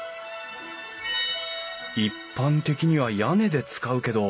一般的には屋根で使うけど。